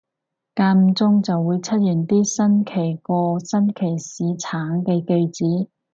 間唔中就會出現啲新奇過新奇士橙嘅句子